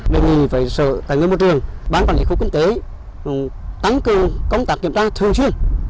nên mình phải sợ tài nguyên môi trường bán quản lý khu quốc tế tăng cường công tác kiểm tra thường chuyên